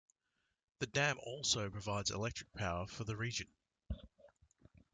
The dam also provides electrical power to the region.